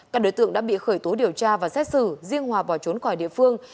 các đối tượng đã bị khởi tố điều tra và xét xử riêng hòa bỏ trốn khỏi địa phương